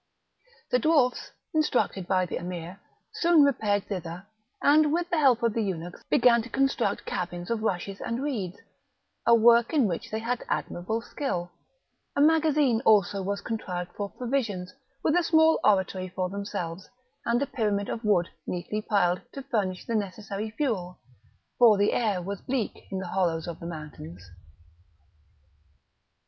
The dwarfs, instructed by the Emir, soon repaired thither, and, with the help of the eunuchs, began to construct cabins of rushes and reeds, a work in which they had admirable skill; a magazine also was contrived for provisions, with a small oratory for themselves, and a pyramid of wood neatly piled, to furnish the necessary fuel, for the air was bleak in the hollows of the mountains.